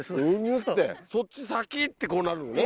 そっち先？ってこうなるのね。